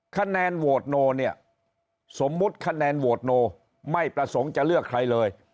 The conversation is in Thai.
คะแนนโหวตโนเนี่ยสมมุติคะแนนโหวตโนไม่ประสงค์จะเลือกใครเลย